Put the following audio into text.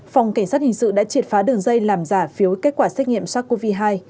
phòng cảnh sát hình sự đã triệt phá đường dây làm giả phiếu kết quả xét nghiệm sars cov hai